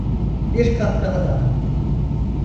Bir kahkaha daha…